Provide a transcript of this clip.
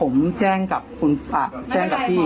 เออเมื่อกี้ผมแจ้งกับคุณอ่าแจ้งกับพี่